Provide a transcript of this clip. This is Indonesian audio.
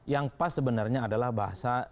yang pas sebenarnya adalah bahasa